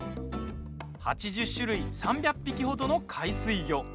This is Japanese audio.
８０種類、３００匹ほどの海水魚。